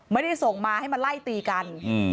ไม่ได้ส่งมาให้มาไล่ตีกัน